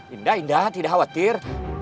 indah indah tidak khawatir